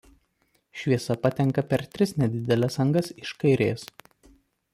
Šviesa patenka per tris nedideles angas iš kairės.